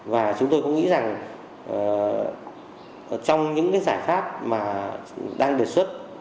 và chúng tôi cũng nghĩ rằng trong những giải pháp mà đang đề xuất